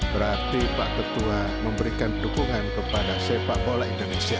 berarti pak ketua memberikan dukungan kepada sepak bola indonesia